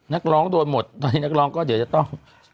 นักร้องโดนหมดตอนนี้นักร้องก็เดี๋ยวจะต้อง